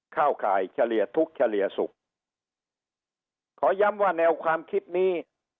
ข่ายเฉลี่ยทุกข์เฉลี่ยสุขขอย้ำว่าแนวความคิดนี้